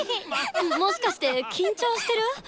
もしかして緊張してる？